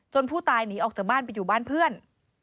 ผู้ตายหนีออกจากบ้านไปอยู่บ้านเพื่อน